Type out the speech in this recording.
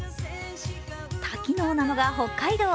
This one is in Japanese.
多機能なのが北海道。